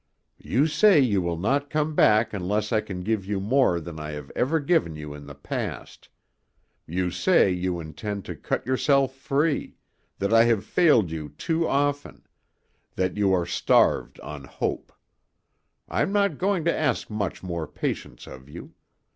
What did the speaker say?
"You say you will not come back unless I can give you more than I have ever given you in the past. You say you intend to cut yourself free, that I have failed you too often, that you are starved on hope. I'm not going to ask much more patience of you.